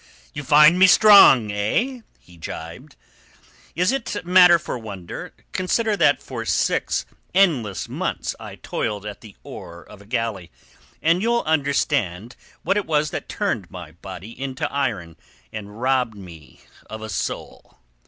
"You find me strong, eh?" he gibed. "Is it matter for wonder? Consider that for six endless months I toiled at the oar of a galley, and you'll understand what it was that turned my body into iron and robbed me of a soul."